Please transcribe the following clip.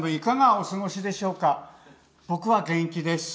僕は元気です。